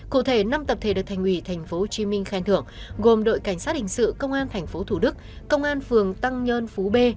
cụ thể năm tập thể được thành ủy tp hcm khen thưởng gồm đội cảnh sát hình sự công an tp thủ đức công an phường tăng nhơn phú b